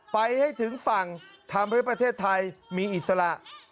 ไปให้ถึงฝั่งทำให้ประเทศไทยมีอิสระ